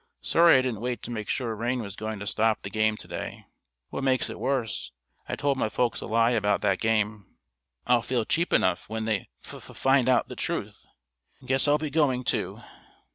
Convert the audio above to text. Sorry I didn't wait to make sure rain was going to stop the game to day. What makes it worse, I told my folks a lie about that game. I'll feel cheap enough when they fuf find out the truth. Guess I'll be going, too.